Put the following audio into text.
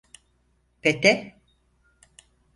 Pete.